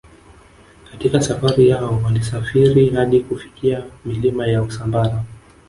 Katika safari yao walisafiri hadi kufika milima ya Usambara